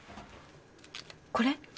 これ？